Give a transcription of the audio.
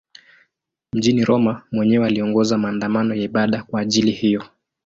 Mjini Roma mwenyewe aliongoza maandamano ya ibada kwa ajili hiyo.